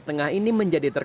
nah ini dia